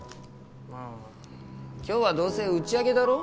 あ今日はどうせ打ち上げだろ？